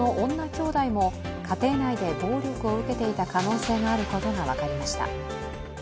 きょうだいも家庭内で暴力を受けていた可能性があることが分かりました。